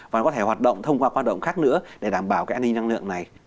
và có thể hoạt động thông qua hoạt động khác nữa để đảm bảo cái an ninh năng lượng này